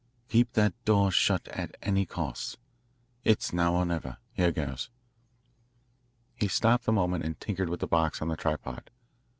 Keep that door shut at any cost. It's now or never here goes." He stopped a moment and tinkered with the box on the tripod.